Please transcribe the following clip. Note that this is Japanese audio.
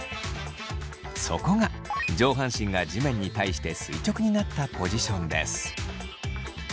そこが上半身が地面に対して垂直になったポジションです。